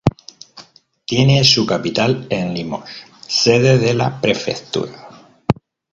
Tiene su capital en Limoges, sede de la prefectura.